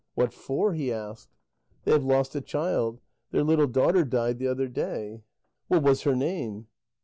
"What for?" he asked. "They have lost a child; their little daughter died the other day." "What was her name?"